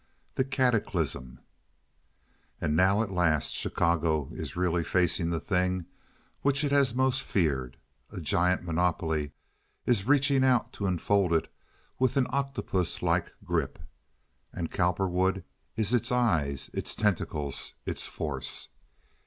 The Cataclysm And now at last Chicago is really facing the thing which it has most feared. A giant monopoly is really reaching out to enfold it with an octopus like grip. And Cowperwood is its eyes, its tentacles, its force!